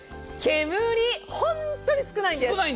煙、本当に少ないんです。